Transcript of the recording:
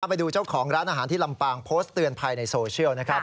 ไปดูเจ้าของร้านอาหารที่ลำปางโพสต์เตือนภัยในโซเชียลนะครับ